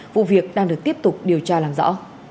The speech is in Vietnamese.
vụ việc đang được tiếp tục điều tra làm rõ